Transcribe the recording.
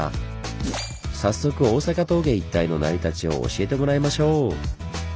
早速坂峠一帯の成り立ちを教えてもらいましょう。